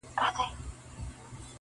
له کهاله مي دي راوړي سلامونه،